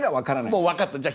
もう分かったじゃあ